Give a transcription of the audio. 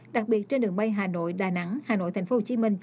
đặc biệt trên đường bay hà nội đà nẵng hà nội tphcm